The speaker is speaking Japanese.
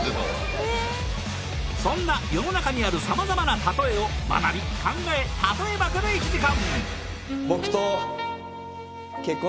そんな世の中にある様々なたとえを学び・考え・たとえまくる１時間！